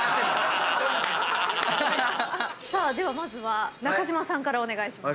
さあではまずは中島さんからお願いします。